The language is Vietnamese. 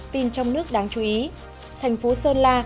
tin trong nước đáng chú ý thành phố sơn la